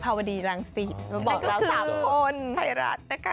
ให้รักนะขอบคุณค่ะ